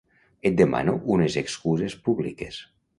Et demano unes excuses públiques.